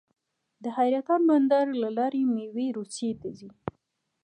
د حیرتان بندر له لارې میوې روسیې ته ځي.